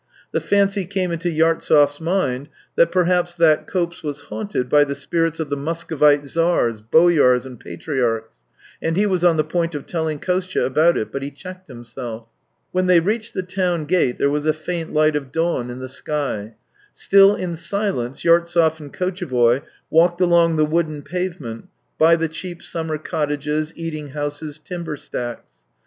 The fancy came into Yartsev's mind that perhaps that copse was haunted by the spirits of the Muscovite Tsars, boyars, and patriarchs, and he was on the point of telling Kostya about it, but he checked himself. When they reached the town gate there was a faint light of dawn in the sky. Still in silence, Yartsev and Kotchevoy walked along the wooden pavement, by the cheap summer cottages, eating houses, timber stacks.